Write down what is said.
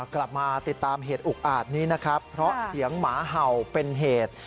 กลับมาติดตามเหตุอุกอาจนี้นะครับเพราะเสียงหมาเห่าเป็นเหตุ